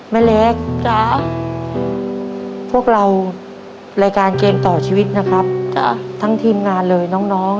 แม่เล็กจ๊ะพวกเรารายการเกมต่อชีวิตนะครับทั้งทีมงานเลยน้อง